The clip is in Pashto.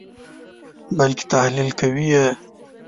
بلکې تحلیل کوئ یې.